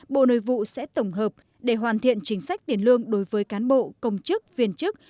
bộ nội vụ sẽ tổng hợp để hoàn thiện chính sách tiền lương đối với cán bộ công chức viên chức